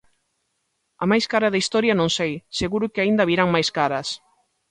A máis cara da historia non sei, seguro que aínda virán máis caras.